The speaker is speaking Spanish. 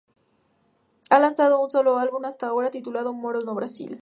Han lanzado un solo álbum hasta ahora, titulado "Moro no Brasil".